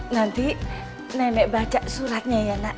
nanti nenek baca suratnya ya nak